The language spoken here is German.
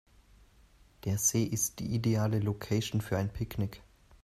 Der See ist die ideale Location für ein Picknick.